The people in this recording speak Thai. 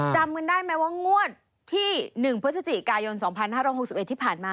จำกันได้ไหมว่างวดที่๑พฤศจิกายน๒๕๖๑ที่ผ่านมา